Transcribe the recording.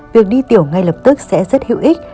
việc đi tiểu ngay lập tức sẽ rất hữu ích